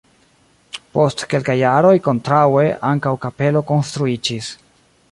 Post kelkaj jaroj kontraŭe ankaŭ kapelo konstruiĝis.